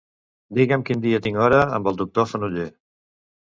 Digue'm quin dia tinc hora amb el doctor Fenoller.